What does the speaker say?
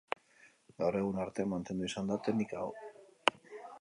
Gaur egun arte mantendu izan da teknika hau.